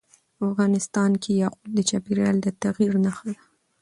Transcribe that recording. افغانستان کې یاقوت د چاپېریال د تغیر نښه ده.